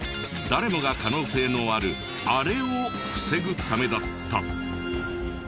誰もが可能性のあるあれを防ぐためだった。